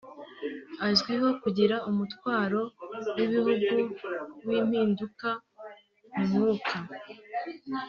Azwiho kugira umutwaro w’ibihugu w’impinduka mu mwuka